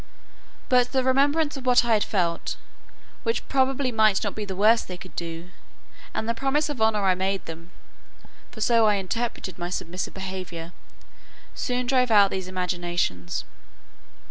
But the remembrance of what I had felt, which probably might not be the worst they could do, and the promise of honour I made them—for so I interpreted my submissive behaviour—soon drove out these imaginations.